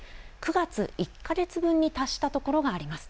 ９月１か月分に達したところがあります。